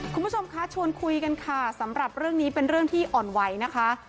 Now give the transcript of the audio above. คุณผู้ชมคะชวนคุยกันค่ะสำหรับเรื่องนี้เป็นเรื่องที่อ่อนไหวนะคะ